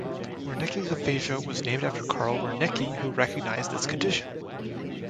Wernicke's aphasia was named after Carl Wernicke who recognized this condition.